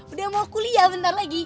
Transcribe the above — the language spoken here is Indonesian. udah mau kuliah bentar lagi